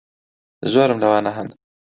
زۆرم لەوانە ھەن.